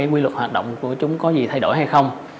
quy luật hoạt động của chúng có gì thay đổi hay không